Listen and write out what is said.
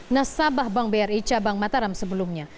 nasabah bank bri cabang mataram sebelumnya